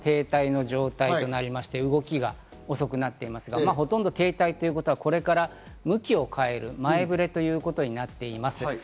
今はほとんど停滞の状態となりまして、動きは遅くなっていますが、ほとんど停滞ということは、これから向きを変える前ぶれということになっています。